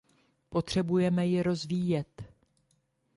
Potřebujeme ji rozvíjet.